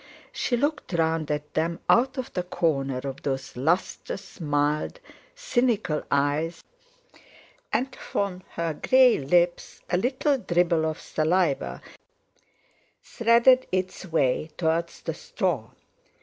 She looked round at them out of the corner of those lustrous, mild, cynical eyes, and from her grey lips a little dribble of saliva threaded its way towards the straw.